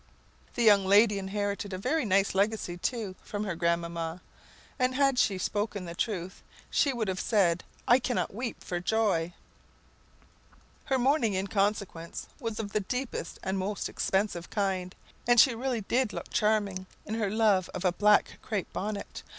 The young lady inherited a very nice legacy, too, from her grandmamma; and, had she spoken the truth, she would have said, "I cannot weep for joy." Her mourning, in consequence, was of the deepest and most expensive kind; and she really did look charming in her "love of a black crape bonnet!"